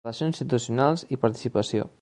Relacions Institucionals i Participació.